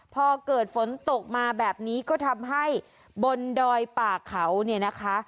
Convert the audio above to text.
พอเกิดฝนตกมาแบบนี้ก็ทำให้บนดอยป่าเขาเนี่ยนะคะ